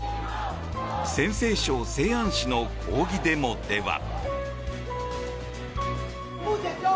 陝西省西安市の抗議デモでは。